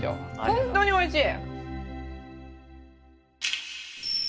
本当においしい！